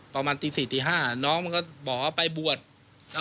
ประมาณ๔๕น้องมันก็บอกไปบวช